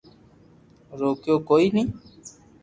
روڪيو ڪوئي ني